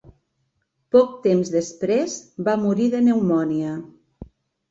Poc temps després, va morir de pneumònia.